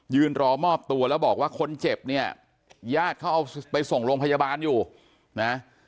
รอมอบตัวแล้วบอกว่าคนเจ็บเนี่ยญาติเขาเอาไปส่งโรงพยาบาลอยู่นะ